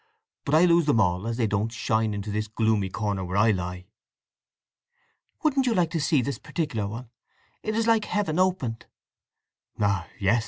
But I lose them all, as they don't shine into this gloomy corner where I lie." "Wouldn't you like to see this particular one? It is like heaven opened." "Ah yes!